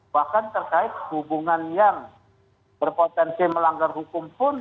bahkan terkait hubungan yang berpotensi melanggar hukum pun